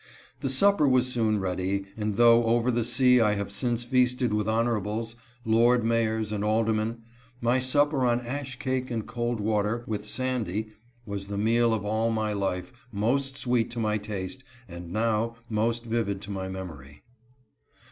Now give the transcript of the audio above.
The supper was soon ready, and though over the sea I have since feasted with honorables, lord mayors and aldermen, my supper on ash cake and cold water, with Sandy, was the meal of all my life most sweet to my taste and now most vivid to my memory.